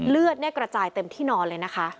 เลือดกระจายเต็มที่นอนเลยนะคะ